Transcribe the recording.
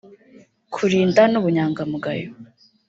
Kurinda n’ubunyangamugayo